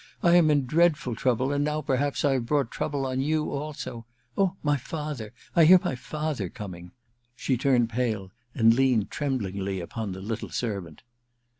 I am in dreadful trouble, and now perhaps I have brought trouble on you also Oh, my father ! I hear my father coming !' She turned pale and leaned tremblingly upon the little servant.